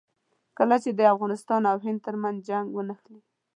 کله چې د افغانستان او هند ترمنځ جنګ ونښلي.